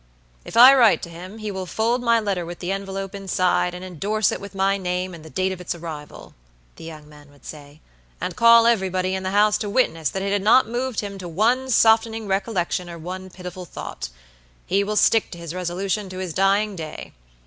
"If I write to him, he will fold my letter with the envelope inside, and indorse it with my name and the date of its arrival," the young man would say, "and call everybody in the house to witness that it had not moved him to one softening recollection or one pitiful thought. He will stick to his resolution to his dying day.